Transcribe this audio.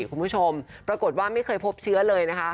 คุณผู้ชมปรากฏว่าไม่เคยพบเชื้อเลยนะคะ